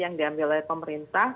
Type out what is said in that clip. yang diambil oleh pemerintahnya